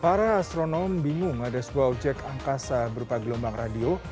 para astronom bingung ada sebuah objek angkasa berupa gelombang radio